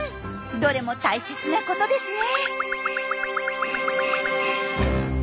どれも大切なことですね。